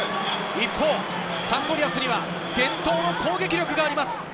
一方、サンゴリアスには伝統の攻撃力があります。